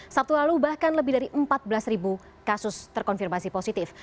sabtu lalu bahkan lebih dari empat belas kasus terkonfirmasi positif